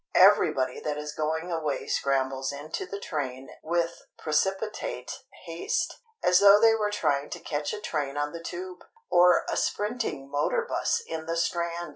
Everybody that is going away scrambles into the train with precipitate haste, as though they were trying to catch a train on the Tube, or a sprinting motor bus in the Strand!